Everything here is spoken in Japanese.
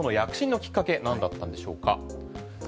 その躍進のきっかけはなんなんでしょうか？